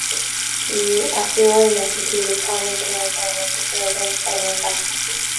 The apriori method uses common generic elements which are identified in advance.